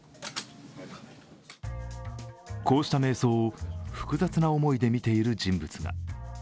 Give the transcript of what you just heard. こうした迷走を複雑な思いで見ている人物が。